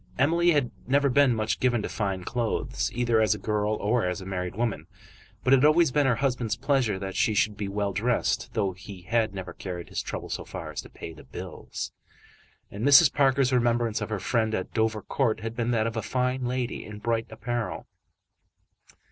Emily had never been much given to fine clothes, either as a girl or as a married woman; but it had always been her husband's pleasure that she should be well dressed, though he had never carried his trouble so far as to pay the bills; and Mrs. Parker's remembrance of her friend at Dovercourt had been that of a fine lady in bright apparel.